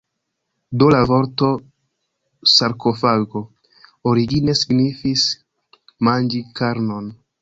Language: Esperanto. Do la vorto sarkofago origine signifis "manĝi karnon".